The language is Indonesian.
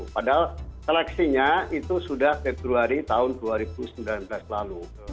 padahal seleksinya itu sudah februari tahun dua ribu sembilan belas lalu